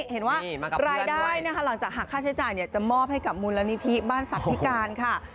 เห็นว่ารายได้นะคะหลังจากหากค่าใช้จ่ายจะมอบให้กับมูลนิธิบ้านสัตว์พิการค่ะ